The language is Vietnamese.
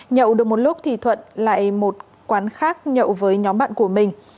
nhậu được một lúc thì thuận lại một quán khác nhậu với nhóm bạn của mình